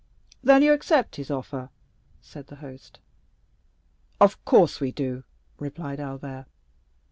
"Then you accept his offer?" said the host. "Of course we do," replied Albert.